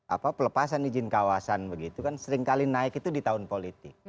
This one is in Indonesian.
apa pelepasan izin kawasan begitu kan seringkali naik itu di tahun politik